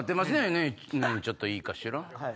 「ねえちょっといいかしら」。